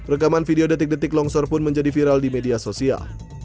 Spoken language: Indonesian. rekaman video detik detik longsor pun menjadi viral di media sosial